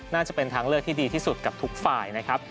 น่าจะเป็นทางเลือกที่ดีที่สุดกับทุกฝ่ายนะครับ